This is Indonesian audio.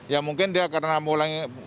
ya mungkin dia karena mulai